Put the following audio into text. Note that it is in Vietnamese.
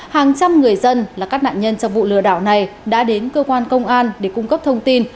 hàng trăm người dân là các nạn nhân trong vụ lừa đảo này đã đến cơ quan công an để cung cấp thông tin